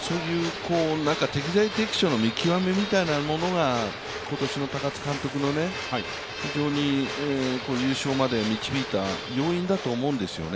適材適所の見極めみたいなものが、今年の高津監督の非常に優勝まで導いた要因だと思うんですよね。